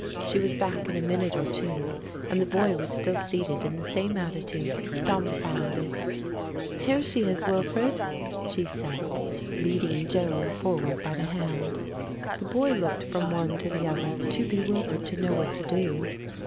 She was back in a minute or two and the boy was still seated in the same attitude, dumbfounded. "Here she is, Wilfred," she said, leading Joan forward by the hand. The boy looked from one to the other too bewildered to know what to do.